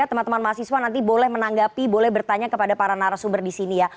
teman teman mahasiswa nanti boleh menanggapi boleh bertanya kepada para narasumber di sini ya